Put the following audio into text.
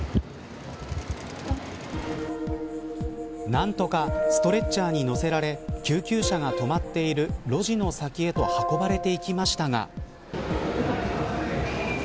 何とかストレッチャーに乗せられ救急車が止まっている路地の先へと運ばれていきましたが。